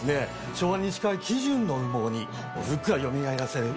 昭和西川基準の羽毛にふっくらよみがえらせようと。